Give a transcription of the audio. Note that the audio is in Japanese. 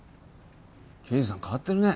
刑事さん変わってるね。